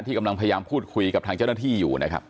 กำลังพยายามพูดคุยกับทางเจ้าหน้าที่อยู่นะครับ